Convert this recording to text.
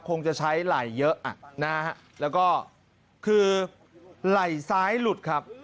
คงจะใช้ไหล่เยอะนะฮะแล้วก็คือไหล่ซ้ายหลุดครับ